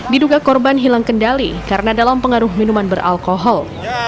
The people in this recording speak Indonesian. diduga korban hilang kendali karena dalam pengaruh minuman beralkohol